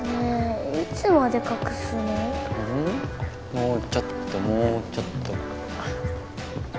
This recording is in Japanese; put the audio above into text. もうちょっともうちょっと。